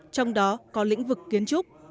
trong đó có lĩnh vực kế hoạch